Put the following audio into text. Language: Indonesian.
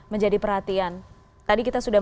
menjadi perhatian tadi kita sudah